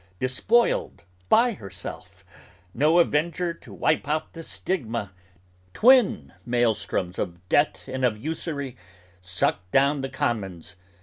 Despoiled by herself, no avenger to wipe out the stigma Twin maelstroms of debt and of usury suck down the commons.